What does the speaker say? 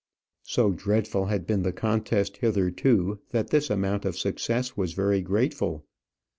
So dreadful had been the contest hitherto, that this amount of success was very grateful.